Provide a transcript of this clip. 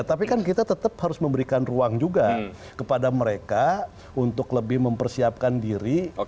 tapi kan kita tetap harus memberikan ruang juga kepada mereka untuk lebih mempersiapkan diri